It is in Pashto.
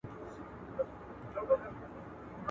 بازار موندنه نوي مشتریان پیدا کوي.